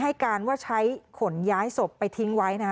ให้การว่าใช้ขนย้ายศพไปทิ้งไว้นะฮะ